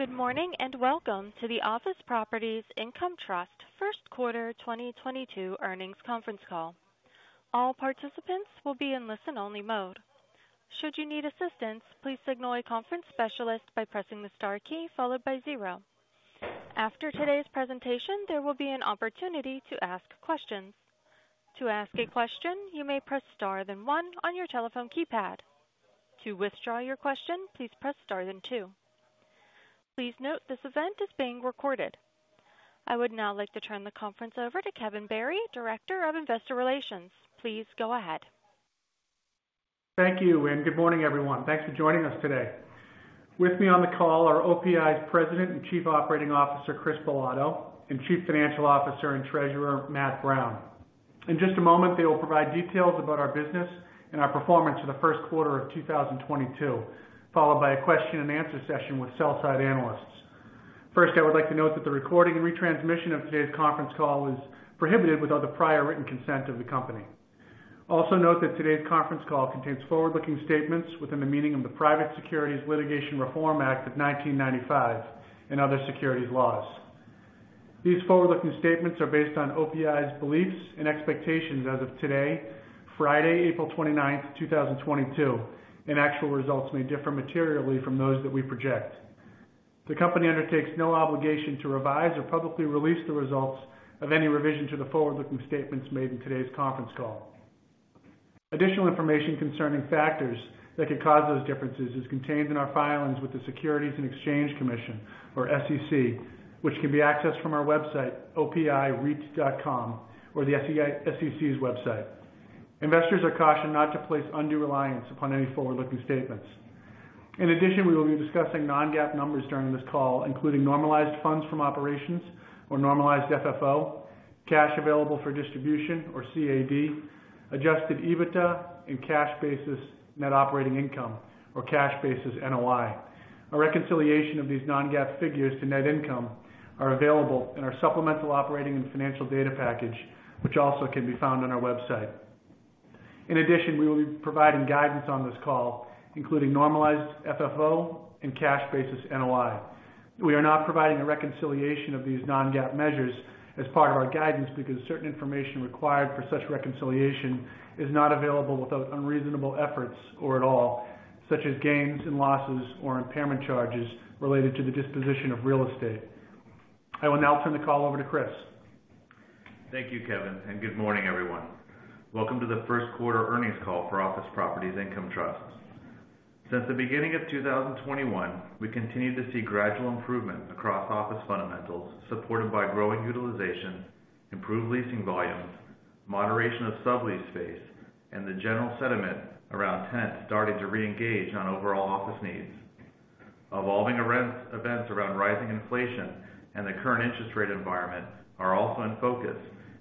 Good morning, and welcome to the Office Properties Income Trust Q1 2022 earnings conference call. All participants will be in listen-only mode. Should you need assistance, please signal a conference specialist by pressing the star key followed by zero. After today's presentation, there will be an opportunity to ask questions. To ask a question, you may press star then one on your telephone keypad. To withdraw your question, please press star then two. Please note this event is being recorded. I would now like to turn the conference over to Kevin Barry, Director of Investor Relations. Please go ahead. Thank you, and good morning, everyone. Thanks for joining us today. With me on the call are OPI's President and Chief Operating Officer, Chris Bilotto, and Chief Financial Officer and Treasurer, Matt Brown. In just a moment, they will provide details about our business and our performance for the Q1 of 2022, followed by a question and answer session with sell-side analysts. First, I would like to note that the recording and retransmission of today's conference call is prohibited without the prior written consent of the company. Also note that today's conference call contains forward-looking statements within the meaning of the Private Securities Litigation Reform Act of 1995 and other securities laws. These forward-looking statements are based on OPI's beliefs and expectations as of today, Friday, April 29, 2022, and actual results may differ materially from those that we project. The company undertakes no obligation to revise or publicly release the results of any revision to the forward-looking statements made in today's conference call. Additional information concerning factors that could cause those differences is contained in our filings with the Securities and Exchange Commission or SEC, which can be accessed from our website, opireit.com, or the SEC's website. Investors are cautioned not to place undue reliance upon any forward-looking statements. In addition, we will be discussing non-GAAP numbers during this call, including normalized funds from operations or Normalized FFO, cash available for distribution or CAD, Adjusted EBITDA and cash basis net operating income or cash basis NOI. A reconciliation of these non-GAAP figures to net income are available in our supplemental operating and financial data package, which also can be found on our website. In addition, we will be providing guidance on this call, including Normalized FFO and cash basis NOI. We are not providing a reconciliation of these non-GAAP measures as part of our guidance because certain information required for such reconciliation is not available without unreasonable efforts or at all, such as gains and losses or impairment charges related to the disposition of real estate. I will now turn the call over to Chris. Thank you, Kevin, and good morning, everyone. Welcome to the Q1 earnings call for Office Properties Income Trust. Since the beginning of 2021, we continue to see gradual improvements across office fundamentals supported by growing utilization, improved leasing volumes, moderation of subleased space, and the general sentiment around tenants starting to reengage on overall office needs. Evolving events around rising inflation and the current interest rate environment are also in focus,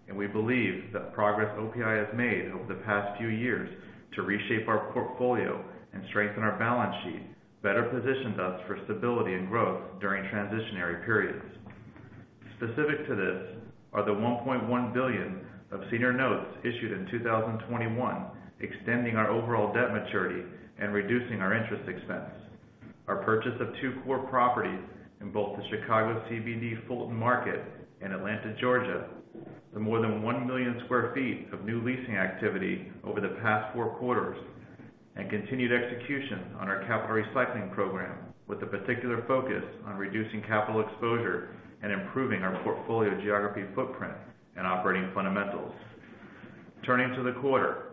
and we believe that progress OPI has made over the past few years to reshape our portfolio and strengthen our balance sheet better positions us for stability and growth during transitional periods. Specific to this are the $1.1 billion of senior notes issued in 2021, extending our overall debt maturity and reducing our interest expense. Our purchase of two core properties in both the Chicago CBD Fulton Market and Atlanta, Georgia, the more than 1 million sq ft of new leasing activity over the past four quarters and continued execution on our capital recycling program, with a particular focus on reducing capital exposure and improving our portfolio geographic footprint and operating fundamentals. Turning to the quarter.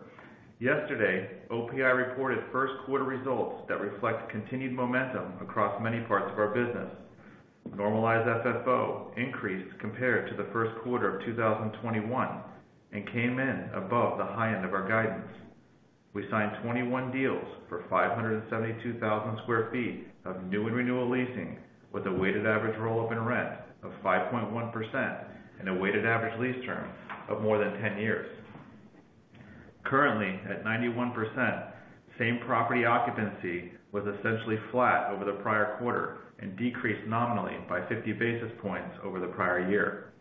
Yesterday, OPI reported Q1 results that reflect continued momentum across many parts of our business. Normalized FFO increased compared to the Q1 of 2021 and came in above the high end of our guidance. We signed 21 deals for 572,000 sq ft of new and renewal leasing, with a weighted average roll-up in rent of 5.1% and a weighted average lease term of more than 10 years. Currently, at 91%, same property occupancy was essentially flat over the prior quarter and decreased nominally by 50 basis points over the prior year.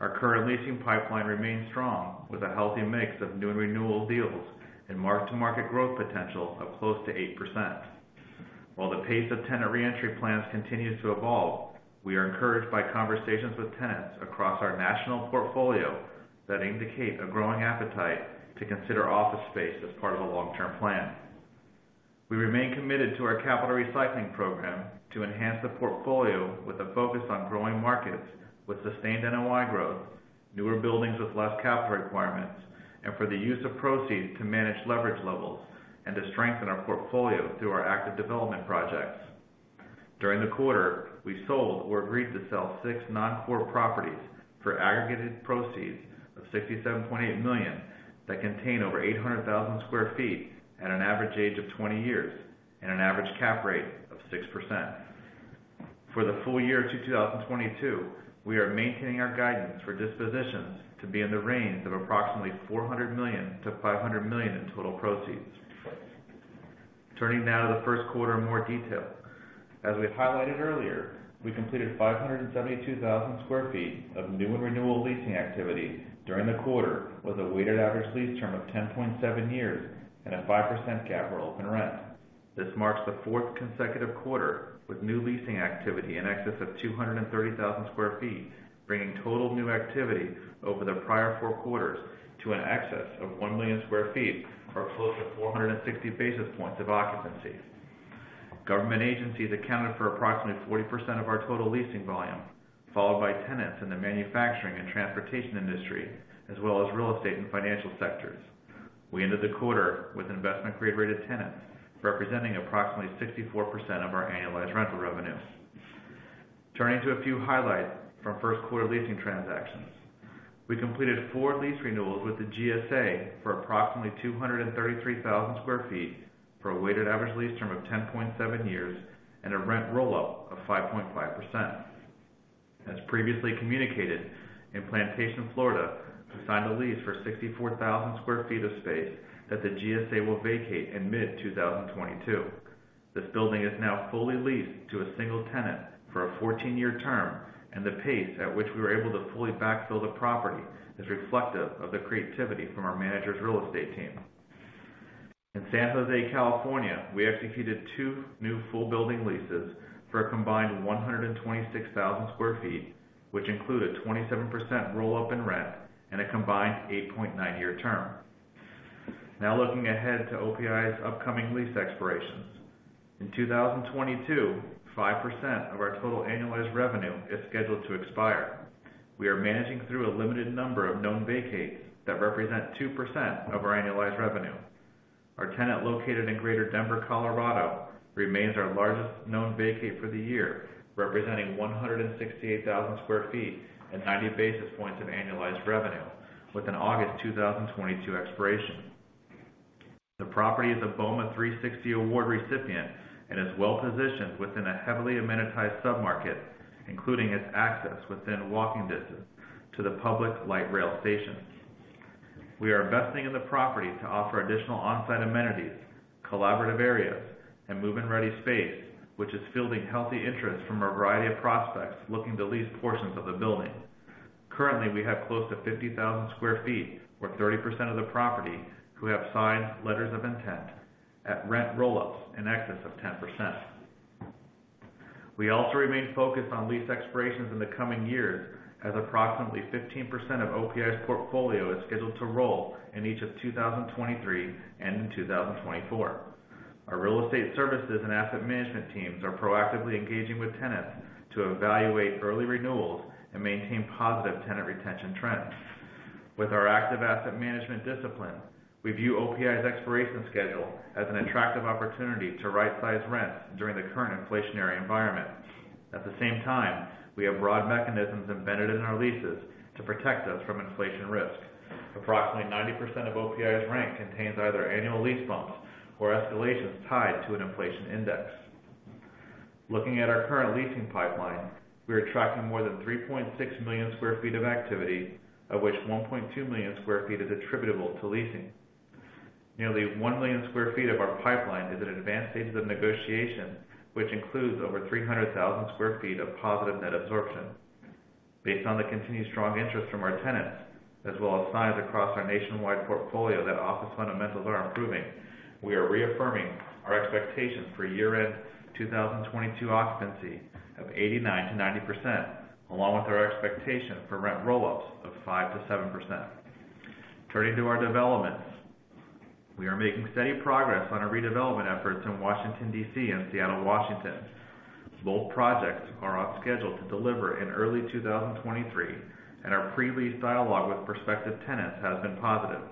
Our current leasing pipeline remains strong with a healthy mix of new and renewal deals and mark-to-market growth potential of close to 8%. While the pace of tenant reentry plans continues to evolve, we are encouraged by conversations with tenants across our national portfolio that indicate a growing appetite to consider office space as part of a long-term plan. We remain committed to our capital recycling program to enhance the portfolio with a focus on growing markets with sustained NOI growth, newer buildings with less capital requirements, and for the use of proceeds to manage leverage levels and to strengthen our portfolio through our active development projects. During the quarter, we sold or agreed to sell six non-core properties for aggregated proceeds of $67.8 million that contain over 800,000 sq ft at an average age of 20 years and an average cap rate of 6%. For the full year to 2022, we are maintaining our guidance for dispositions to be in the range of approximately $400 million-$500 million in total proceeds. Turning now to the Q1 in more detail. As we highlighted earlier, we completed 572,000 sq ft of new and renewal leasing activity during the quarter, with a weighted average lease term of 10.7 years and a 5% capital open rent. This marks the fourth consecutive quarter with new leasing activity in excess of 230,000 sq ft, bringing total new activity over the prior four quarters to an excess of 1,000,000 sq ft, or close to 460 basis points of occupancy. Government agencies accounted for approximately 40% of our total leasing volume, followed by tenants in the manufacturing and transportation industry, as well as real estate and financial sectors. We ended the quarter with investment grade rated tenants, representing approximately 64% of our annualized rental revenue. Turning to a few highlights from Q1 leasing transactions. We completed four lease renewals with the GSA for approximately 233,000 sq ft for a weighted average lease term of 10.7 years and a rent roll up of 5.5%. As previously communicated, in Plantation, Florida, to sign the lease for 64,000 sq ft of space that the GSA will vacate in mid-2022. This building is now fully leased to a single tenant for a 14-year term, and the pace at which we were able to fully backfill the property is reflective of the creativity from our manager's real estate team. In San Jose, California, we executed two new full building leases for a combined 126,000 sq ft, which include a 27% roll up in rent and a combined 8.9-year term. Now looking ahead to OPI's upcoming lease expirations. In 2022, 5% of our total annualized revenue is scheduled to expire. We are managing through a limited number of known vacates that represent 2% of our annualized revenue. Our tenant located in Greater Denver, Colorado, remains our largest known vacate for the year, representing 168,000 sq ft and 90 basis points of annualized revenue with an August 2022 expiration. The property is a BOMA 360 award recipient and is well-positioned within a heavily amenitized submarket, including its access within walking distance to the public light rail station. We are investing in the property to offer additional on-site amenities, collaborative areas, and move-in-ready space, which is fielding healthy interest from a variety of prospects looking to lease portions of the building. Currently, we have close to 50,000 sq ft, or 30% of the property who have signed letters of intent at rent roll-ups in excess of 10%. We also remain focused on lease expirations in the coming years as approximately 15% of OPI's portfolio is scheduled to roll in each of 2023 and in 2024. Our real estate services and asset management teams are proactively engaging with tenants to evaluate early renewals and maintain positive tenant retention trends. With our active asset management discipline, we view OPI's expiration schedule as an attractive opportunity to right-size rents during the current inflationary environment. At the same time, we have broad mechanisms embedded in our leases to protect us from inflation risk. Approximately 90% of OPI's rents contains either annual lease bumps or escalations tied to an inflation index. Looking at our current leasing pipeline, we are tracking more than 3.6 million sq ft of activity, of which 1.2 million sq ft is attributable to leasing. Nearly 1 million sq ft of our pipeline is in advanced stages of negotiation, which includes over 300,000 sq ft of positive net absorption. Based on the continued strong interest from our tenants, as well as signs across our nationwide portfolio that office fundamentals are improving, we are reaffirming our expectations for year-end 2022 occupancy of 89%-90%, along with our expectation for rent roll-ups of 5%-7%. Turning to our developments. We are making steady progress on our redevelopment efforts in Washington, D.C. and Seattle, Washington. Both projects are on schedule to deliver in early 2023, and our pre-lease dialogue with prospective tenants has been positive.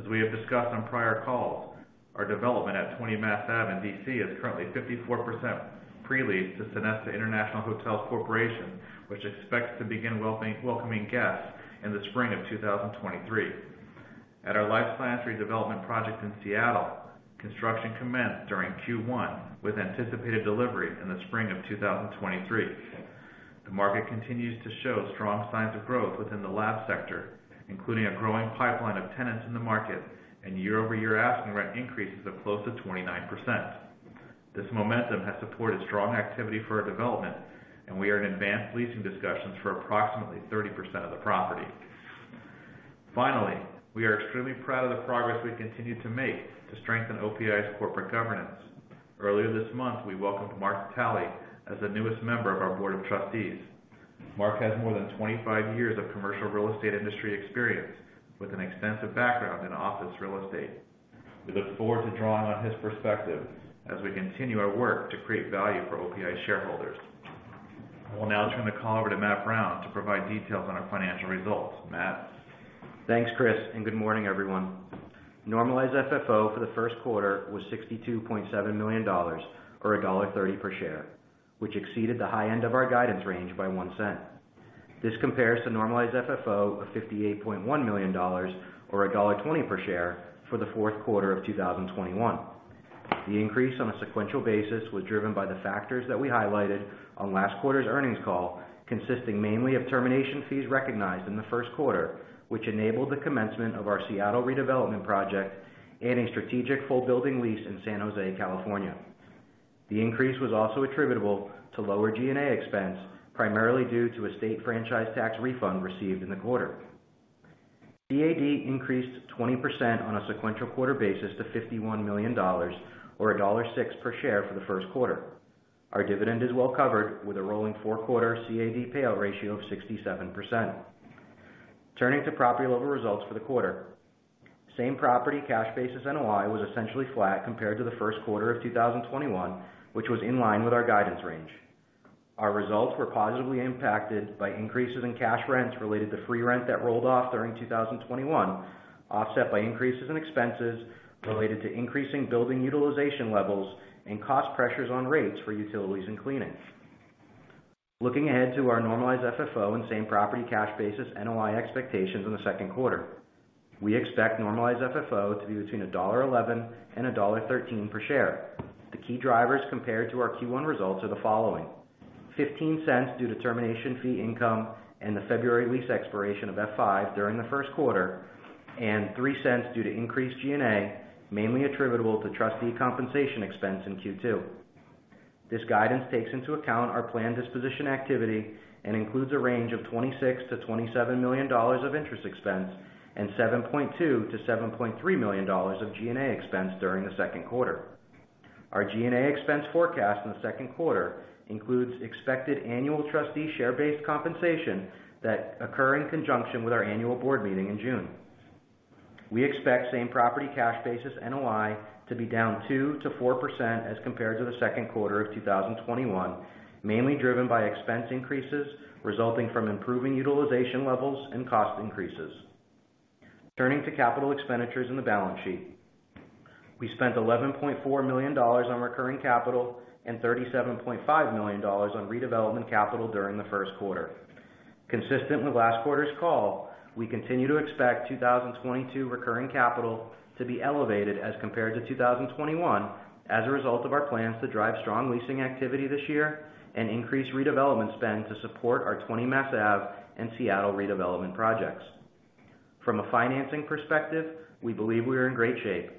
As we have discussed on prior calls, our development at 20 Mass Ave in D.C. is currently 54% pre-leased to Sonesta International Hotels Corporation, which expects to begin welcoming guests in the spring of 2023. At our life science redevelopment project in Seattle, construction commenced during Q1 with anticipated delivery in the spring of 2023. The market continues to show strong signs of growth within the lab sector, including a growing pipeline of tenants in the market and year-over-year asking rent increases of close to 29%. This momentum has supported strong activity for our development, and we are in advanced leasing discussions for approximately 30% of the property. Finally, we are extremely proud of the progress we continue to make to strengthen OPI's corporate governance. Earlier this month, we welcomed Mark Talley as the newest member of our board of trustees. Mark has more than 25 years of commercial real estate industry experience with an extensive background in office real estate. We look forward to drawing on his perspective as we continue our work to create value for OPI shareholders. I will now turn the call over to Matt Brown to provide details on our financial results. Matt? Thanks, Chris, and good morning, everyone. Normalized FFO for the Q1 was $62.7 million or $1.30 per share, which exceeded the high end of our guidance range by $0.01. This compares to Normalized FFO of $58.1 million or $1.20 per share for the Q4 of 2021. The increase on a sequential basis was driven by the factors that we highlighted on last quarter's earnings call, consisting mainly of termination fees recognized in the Q1, which enabled the commencement of our Seattle redevelopment project and a strategic full building lease in San Jose, California. The increase was also attributable to lower G&A expense, primarily due to a state franchise tax refund received in the quarter. CAD increased 20% on a sequential quarter basis to $51 million or $1.06 per share for the Q1. Our dividend is well covered with a rolling 4-quarter CAD payout ratio of 67%. Turning to property level results for the quarter. Same property cash basis NOI was essentially flat compared to the Q1 of 2021, which was in line with our guidance range. Our results were positively impacted by increases in cash rents related to free rent that rolled off during 2021, offset by increases in expenses related to increasing building utilization levels and cost pressures on rates for utilities and cleaning. Looking ahead to our Normalized FFO and same-property cash basis NOI expectations in the Q2. We expect Normalized FFO to be between $1.11 and $1.13 per share. The key drivers compared to our Q1 results are the following: $0.15 due to termination fee income and the February lease expiration of F5 during the Q1, and $0.03 due to increased G&A, mainly attributable to trustee compensation expense in Q2. This guidance takes into account our planned disposition activity and includes a range of $26 million-$27 million of interest expense and $7.2 million-$7.3 million of G&A expense during the Q2. Our G&A expense forecast in the Q2 includes expected annual trustee share-based compensation that occur in conjunction with our annual board meeting in June. We expect same property cash basis NOI to be down 2%-4% as compared to the Q2 of 2021, mainly driven by expense increases resulting from improving utilization levels and cost increases. Turning to capital expenditures in the balance sheet. We spent $11.4 million on recurring capital and $37.5 million on redevelopment capital during the Q1. Consistent with last quarter's call, we continue to expect 2022 recurring capital to be elevated as compared to 2021 as a result of our plans to drive strong leasing activity this year and increase redevelopment spend to support our 20 Mass Ave and Seattle redevelopment projects. From a financing perspective, we believe we are in great shape.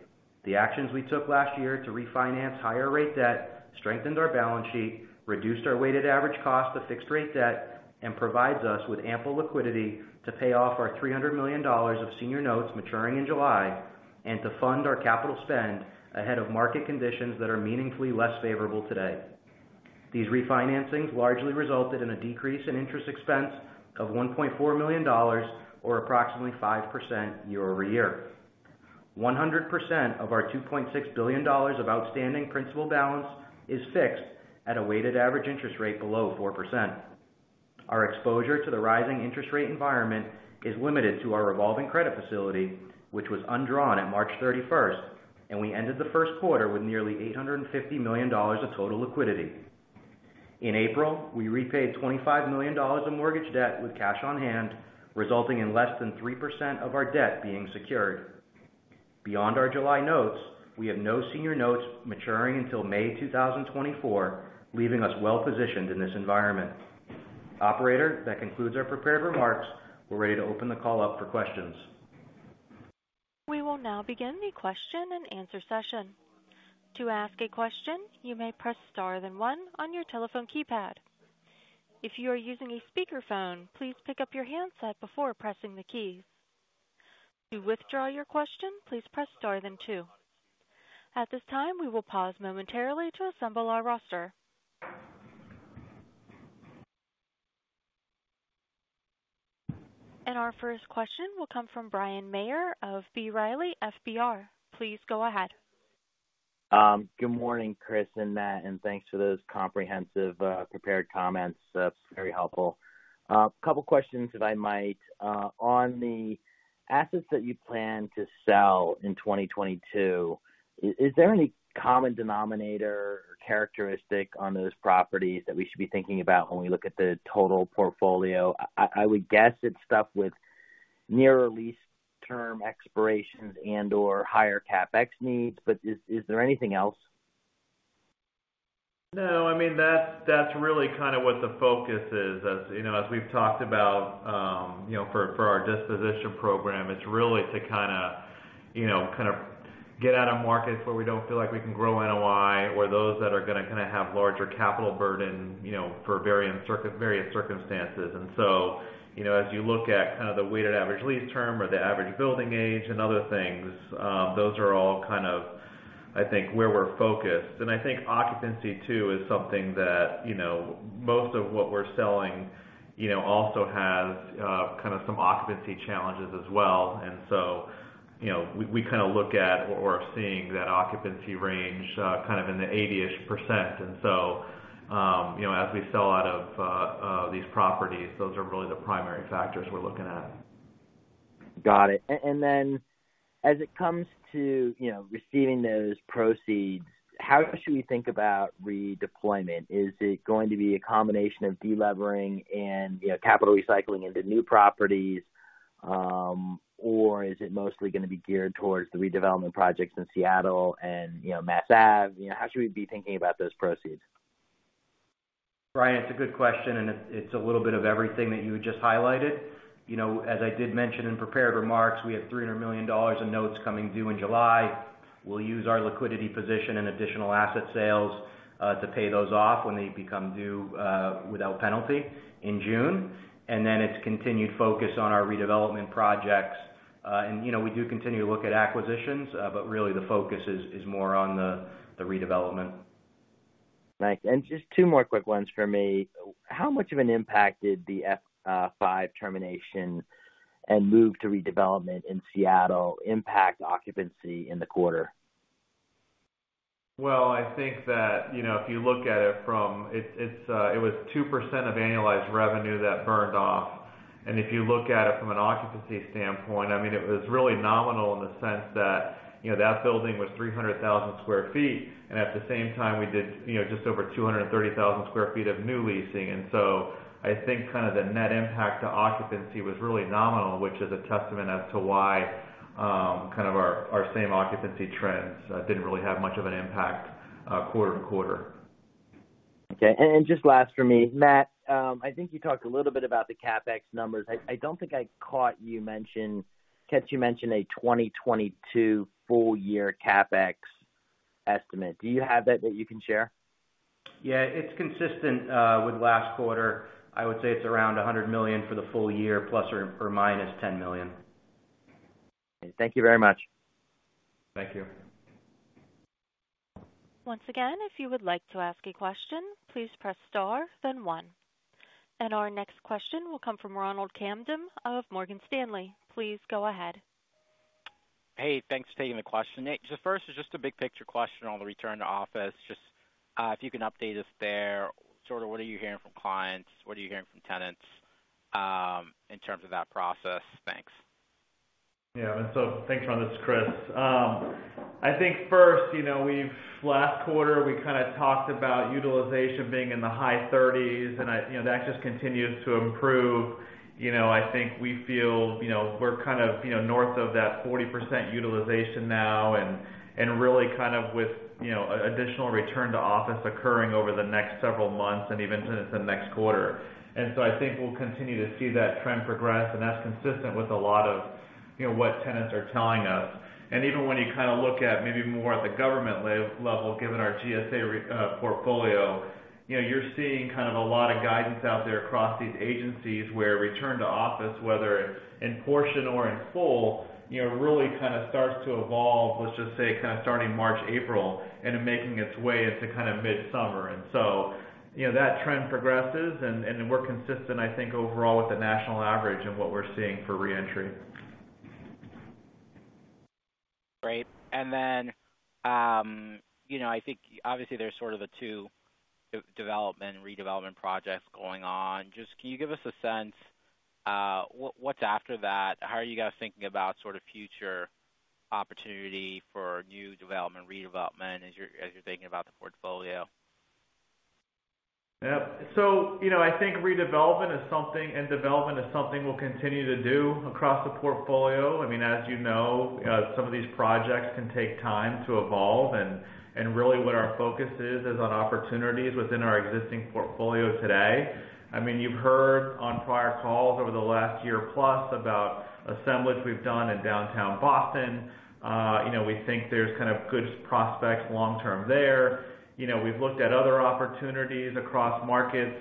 The actions we took last year to refinance higher rate debt strengthened our balance sheet, reduced our weighted average cost of fixed rate debt, and provides us with ample liquidity to pay off our $300 million of senior notes maturing in July and to fund our capital spend ahead of market conditions that are meaningfully less favorable today. These refinancings largely resulted in a decrease in interest expense of $1.4 million or approximately 5% year-over-year. 100% of our $2.6 billion of outstanding principal balance is fixed at a weighted average interest rate below 4%. Our exposure to the rising interest rate environment is limited to our revolving credit facility, which was undrawn at March 31st, and we ended the Q1 with nearly $850 million of total liquidity. In April, we repaid $25 million of mortgage debt with cash on hand, resulting in less than 3% of our debt being secured. Beyond our July notes, we have no senior notes maturing until May 2024, leaving us well positioned in this environment. Operator, that concludes our prepared remarks. We're ready to open the call up for questions. We will now begin the question and answer session. To ask a question, you may press star then one on your telephone keypad. If you are using a speakerphone, please pick up your handset before pressing the keys. To withdraw your question, please press star then two. At this time, we will pause momentarily to assemble our roster. Our first question will come from Bryan Maher of B. Riley FBR. Please go ahead. Good morning, Chris and Matt, and thanks for those comprehensive prepared comments. That's very helpful. A couple questions, if I might. On the assets that you plan to sell in 2022, is there any common denominator or characteristic on those properties that we should be thinking about when we look at the total portfolio? I would guess it's stuff with nearer lease term expirations and/or higher CapEx needs. Is there anything else? No, I mean, that's really kind of what the focus is. As you know, as we've talked about, you know, for our disposition program, it's really to kinda, you know, kind of get out of markets where we don't feel like we can grow NOI or those that are gonna kind of have larger capital burden, you know, for various circumstances. You know, as you look at kind of the weighted average lease term or the average building age and other things, those are all kind of, I think, where we're focused. I think occupancy too is something that, you know, most of what we're selling, you know, also has kind of some occupancy challenges as well. You know, we kind of look at or are seeing that occupancy range kind of in the 80-ish%. You know, as we sell out of these properties, those are really the primary factors we're looking at. Got it. As it comes to, you know, receiving those proceeds, how should we think about redeployment? Is it going to be a combination of delevering and, you know, capital recycling into new properties? Is it mostly gonna be geared towards the redevelopment projects in Seattle and, you know, Mass Ave? You know, how should we be thinking about those proceeds? Bryan, it's a good question, and it's a little bit of everything that you had just highlighted. You know, as I did mention in prepared remarks, we have $300 million in notes coming due in July. We'll use our liquidity position and additional asset sales to pay those off when they become due without penalty in June. Then it's continued focus on our redevelopment projects. You know, we do continue to look at acquisitions, but really the focus is more on the redevelopment. Right. Just two more quick ones for me. How much of an impact did the F5 termination and move to redevelopment in Seattle impact occupancy in the quarter? Well, I think that, you know, if you look at it from. It was 2% of annualized revenue that burned off. If you look at it from an occupancy standpoint, I mean, it was really nominal in the sense that, you know, that building was 300,000 sq ft, and at the same time we did, you know, just over 230,000 sq ft of new leasing. I think kind of the net impact to occupancy was really nominal, which is a testament as to why kind of our same occupancy trends didn't really have much of an impact quarter-over-quarter. Okay. Just last for me. Matt, I think you talked a little bit about the CapEx numbers. I don't think I caught you mention a 2022 full year CapEx estimate. Do you have that you can share? Yeah, it's consistent with last quarter. I would say it's around $100 million for the full year ± $10 million. Thank you very much. Thank you. Once again, if you would like to ask a question, please press star then one. Our next question will come from Ronald Kamdem of Morgan Stanley. Please go ahead. Hey, thanks for taking the question. Nick, so first is just a big picture question on the return to office. Just, if you can update us there, sort of what are you hearing from clients? What are you hearing from tenants, in terms of that process? Thanks. Yeah, thanks, Ron. It's Chris. I think first, you know, last quarter, we kinda talked about utilization being in the high 30s%, and you know, that just continues to improve. You know, I think we feel, you know, we're kind of, you know, north of that 40% utilization now and really kind of with, you know, additional return to office occurring over the next several months and even into the next quarter. I think we'll continue to see that trend progress, and that's consistent with a lot of, you know, what tenants are telling us. Even when you kinda look at maybe more at the government level, given our GSA portfolio, you know, you're seeing kind of a lot of guidance out there across these agencies, where return to office, whether it's in part or in full, you know, really kind of starts to evolve, let's just say, kind of starting March, April, and making its way into kind of mid-summer. You know, that trend progresses and we're consistent, I think, overall with the national average in what we're seeing for re-entry. Great. You know, I think obviously there's sort of the two development and redevelopment projects going on. Just, can you give us a sense, what's after that? How are you guys thinking about sort of future opportunity for new development, redevelopment as you're thinking about the portfolio? Yep. You know, I think redevelopment is something and development is something we'll continue to do across the portfolio. I mean, as you know, some of these projects can take time to evolve, and really what our focus is on opportunities within our existing portfolio today. I mean, you've heard on prior calls over the last year plus about assemblage we've done in downtown Boston. You know, we think there's kind of good prospects long-term there. You know, we've looked at other opportunities across markets,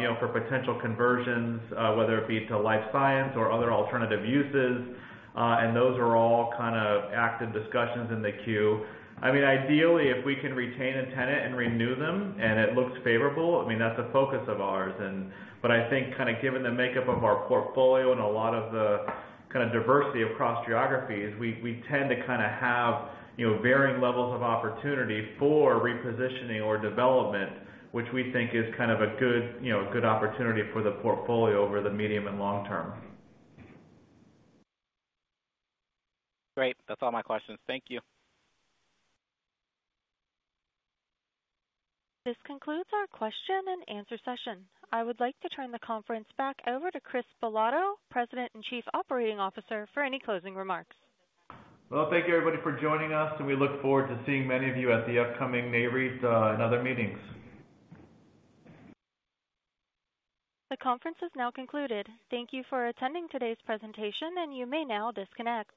you know, for potential conversions, whether it be to life science or other alternative uses, and those are all kind of active discussions in the queue. I mean, ideally, if we can retain a tenant and renew them, and it looks favorable, I mean, that's a focus of ours. I think kind of given the makeup of our portfolio and a lot of the kind of diversity across geographies, we tend to kinda have, you know, varying levels of opportunity for repositioning or development, which we think is kind of a good opportunity for the portfolio over the medium and long term. Great. That's all my questions. Thank you. This concludes our question and answer session. I would like to turn the conference back over to Chris Bilotto, President and Chief Operating Officer, for any closing remarks. Well, thank you, everybody, for joining us, and we look forward to seeing many of you at the upcoming Nareit, and other meetings. The conference is now concluded. Thank you for attending today's presentation, and you may now disconnect.